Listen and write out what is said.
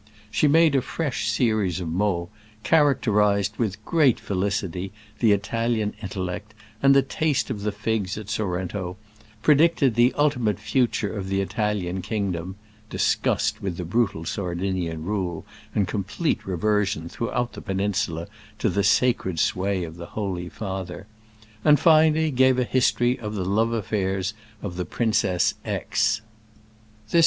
She made a fresh series of mots, characterized with great felicity the Italian intellect and the taste of the figs at Sorrento, predicted the ultimate future of the Italian kingdom (disgust with the brutal Sardinian rule and complete reversion, throughout the peninsula, to the sacred sway of the Holy Father), and, finally, gave a history of the love affairs of the Princess X——.